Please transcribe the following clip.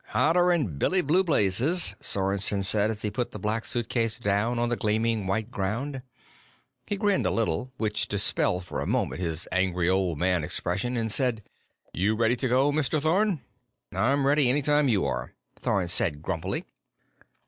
"Hotter'n Billy Blue Blazes!" Sorensen said as he put the Black Suitcase down on the gleaming white ground. He grinned a little, which dispelled for a moment his Angry Old Man expression, and said: "You ready to go, Mr. Thorn?" "I'm ready any time you are," Thorn said grumpily.